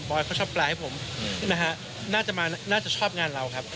อยเขาชอบแปลให้ผมนะฮะน่าจะมาน่าจะชอบงานเราครับ